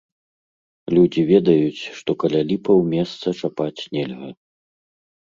Людзі ведаюць, што каля ліпаў месца чапаць нельга.